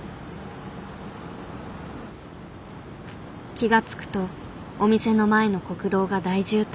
気が付くとお店の前の国道が大渋滞。